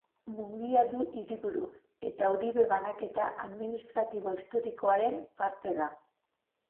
Mungia du hiriburu, eta Uribe banaketa administratibo historikoaren parte da.